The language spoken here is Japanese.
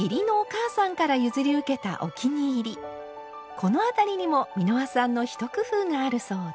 この辺りにも美濃羽さんの一工夫があるそうで。